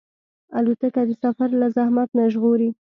الوتکه د سفر له زحمت نه ژغوري.